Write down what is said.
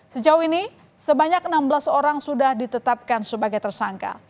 sejauh ini sebanyak enam belas orang sudah ditetapkan sebagai tersangka